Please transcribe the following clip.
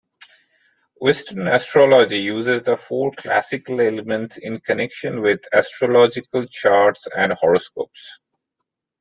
Western astrology uses the four classical elements in connection with astrological charts and horoscopes.